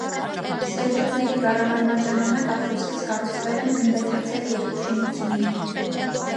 Սելջուկների կառավարման ժամանակ աղյուսից կառուցվել են գմբեթաձև երկու շինություններ։